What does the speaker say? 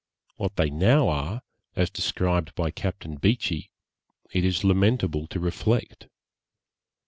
What they now are, as described by Captain Beechey, it is lamentable to reflect.